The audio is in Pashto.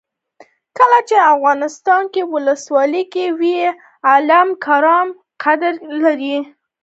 کله چې افغانستان کې ولسواکي وي علما کرام قدر لري.